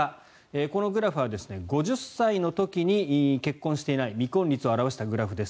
このグラフは５０歳の時に結婚していない、未婚率を表したグラフです。